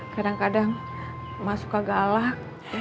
kadang kadang mah suka galak